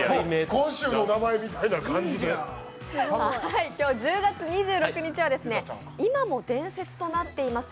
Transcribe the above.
今日１０月２６日は今も伝説となっています